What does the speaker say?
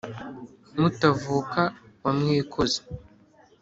Mutavuka wa Mwikozi